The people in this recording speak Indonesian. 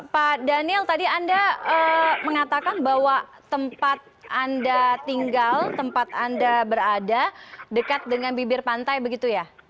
pak daniel tadi anda mengatakan bahwa tempat anda tinggal tempat anda berada dekat dengan bibir pantai begitu ya